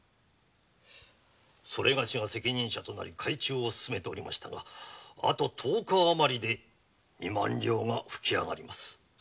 それがしが責任者となり改鋳を進めておりましたがあと十日あまりで二万両が吹き上がります。